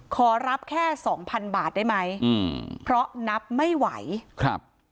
ขอรับแค่สองพันบาทได้ไหมอืมเพราะนับไม่ไหวครับ